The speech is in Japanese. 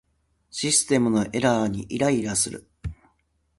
システムのエラーにイライラする